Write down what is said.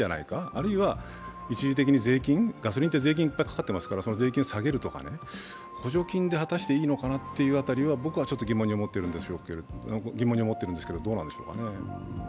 あるいは一時的に税金、ガソリンは税金がかかってるので、税金を下げるとか、補助金で果たしていいのかなという辺りは僕は疑問に思っているんですけど、どうなんでしょうかね？